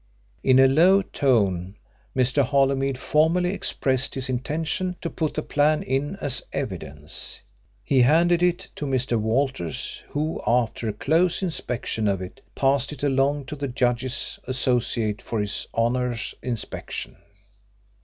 In a low tone Mr. Holymead formally expressed his intention to put the plan in as evidence. He handed it to Mr. Walters, who, after a close inspection of it, passed it along to the judge's Associate for His Honour's inspection.